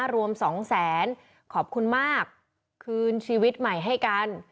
รวม๒๐๐๐๐๐บาทขอบคุณมากคืนชีวิตใหม่ให้กัน